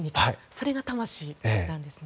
それが魂なんですね。